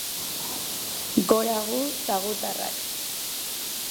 Gora gu eta gutarrak